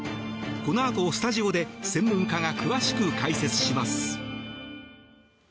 このあとスタジオで専門家が詳しく解説します。